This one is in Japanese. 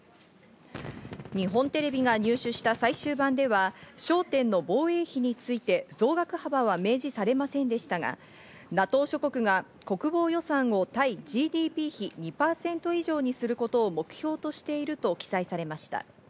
日本テレビが入手した最終版では、焦点の防衛費について増額幅は明示されませんでしたが、ＮＡＴＯ諸国が国防予算を対ＧＤＰ比２％以上にすることを目標としていると記載されました。